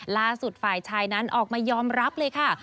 ฝ่ายชายนั้นออกมายอมรับเลยค่ะ